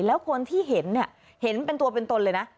แล้วคนที่เห็นเป็นตัวเป็นตนเลยนะ